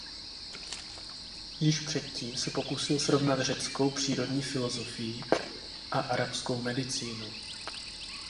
Již předtím se pokusil srovnat řeckou přírodní filosofii a arabskou medicínu.